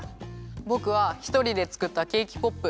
ぼくはひとりでつくったケーキポップ。